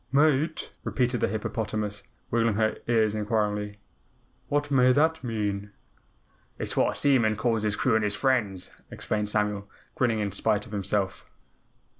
"Mate?" repeated the hippopotamus, wiggling her ears inquiringly, "What may that mean?" "It is what a seaman calls his crew and his friends," explained Samuel, grinning in spite of himself.